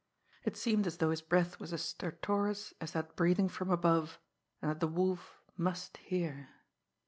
It seemed as though his breath were as stertorous as that breathing from above, and that the Wolf must hear.